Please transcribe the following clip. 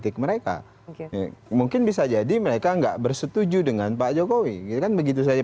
kritik mereka mungkin bisa jadi mereka enggak bersetuju dengan pak jokowi giliran begitu saja